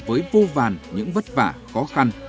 với vô vàn những vất vả khó khăn